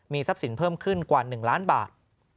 ทรัพย์สินเพิ่มขึ้นกว่า๑ล้านบาท